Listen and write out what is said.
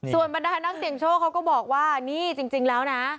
ส่วนบรรดานักเสียงโชคเขาก็บอกว่านี่จริงแล้วนะ